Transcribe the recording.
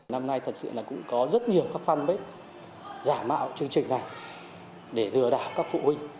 năm nay thật sự là cũng có rất nhiều các fanpage giả mạo chương trình này để lừa đảo các phụ huynh